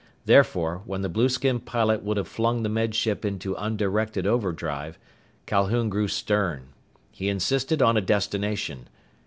Therefore, when the blueskin pilot would have flung the Med Ship into undirected overdrive, Calhoun grew stern. He insisted on a destination.